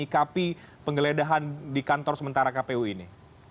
ikapi penggeledahan di kantor sementara kpu ini